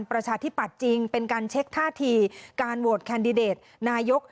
ประชาธิปัตย์จริงเป็นการเช็คท่าทีการโหวตแคนดิเดตนายก